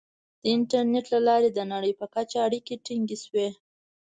• د انټرنیټ له لارې د نړۍ په کچه اړیکې ټینګې شوې.